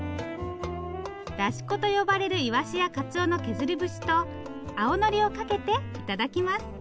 だし粉と呼ばれるイワシやカツオの削り節と青のりをかけて頂きます。